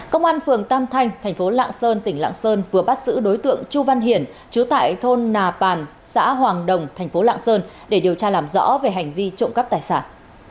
công an phường tam thanh tp lạng sơn tỉnh lạng sơn vừa bắt giữ đối tượng chu văn hiển chứa tại thôn nà pàn xã hoàng đồng tp lạng sơn để điều tra làm rõ về hành vi trộm cắp tài sản